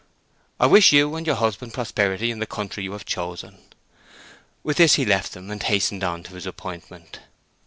"I wish you and your husband prosperity in the country you have chosen." With this he left them, and hastened on to his appointment.